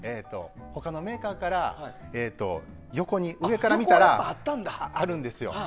他のメーカーから横に上から見たらあるんですよ。